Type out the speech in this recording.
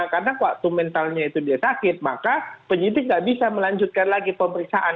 karena waktu mentalnya itu dia sakit maka penyidik tidak bisa melanjutkan lagi pemeriksaan